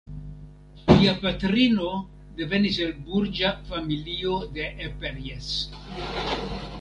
Lia patrino devenis el burĝa familio de Eperjes.